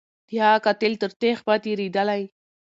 د هغه قاتل تر تیغ به تیریدلای